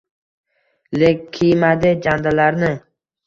Lek kiymadi jandalarni